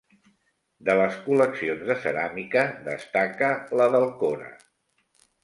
De les col·leccions de ceràmica destaca la d'Alcora.